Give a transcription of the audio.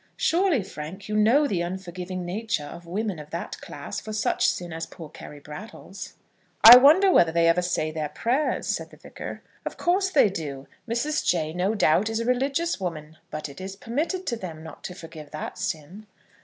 Surely, Frank, you know the unforgiving nature of women of that class for such sin as poor Carry Brattle's?" "I wonder whether they ever say their prayers," said the Vicar. "Of course they do. Mrs. Jay, no doubt, is a religious woman. But it is permitted to them not to forgive that sin."